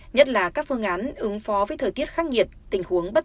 nhất là các phương án ứng phó với thời tiết khắc nghiệt